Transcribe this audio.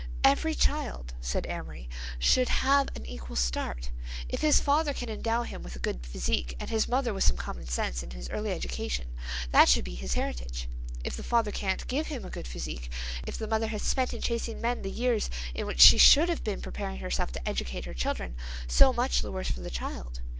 "Every child," said Amory, "should have an equal start. If his father can endow him with a good physique and his mother with some common sense in his early education, that should be his heritage. If the father can't give him a good physique, if the mother has spent in chasing men the years in which she should have been preparing herself to educate her children, so much the worse for the child.